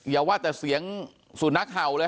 อย่าว่าแต่เสียงสุนัขเห่าเลย